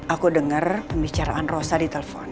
aku dengar pembicaraan rosa di telepon